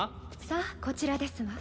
さあこちらですわ。